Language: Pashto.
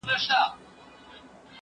هغه څوک چي کار کوي منظم وي!.